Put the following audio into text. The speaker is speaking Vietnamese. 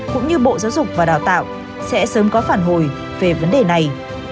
cũng như bộ giáo dục và đào tạo sẽ sớm có phản hồi về vấn đề này